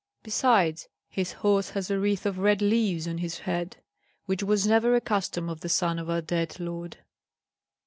Besides, his horse has a wreath of red leaves on his head, which was never a custom of the son of our dead lord."